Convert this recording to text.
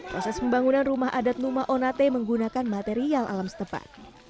proses pembangunan rumah adat luma onate menggunakan material alam setempat